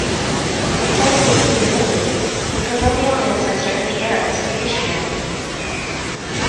According to Hugh Nibley, the proverbial ancestor of the Arabs is Ishmael.